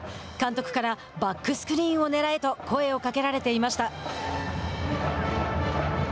監督からバックスクリーンをねらえと声をかけられていました。